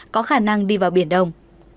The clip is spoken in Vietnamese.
có khả năng đi vào biển đông